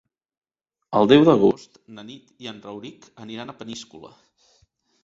El deu d'agost na Nit i en Rauric aniran a Peníscola.